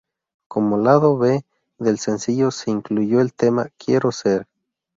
Como Lado B del sencillo, se incluyó el tema "Quiero Ser".